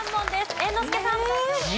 猿之助さん。